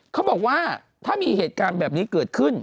เขาบอกว่าถ้ามีเหตุการณ์แบบนี้เกิดขึ้น